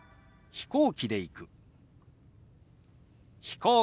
「飛行機で行く」。